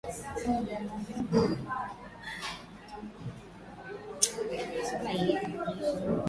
ameiomba serikali ya burundi kuingilia kati ili waandishi wa habari hao wachiliwe huru